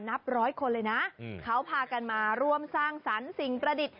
นับร้อยคนเลยนะเขาพากันมาร่วมสร้างสรรค์สิ่งประดิษฐ์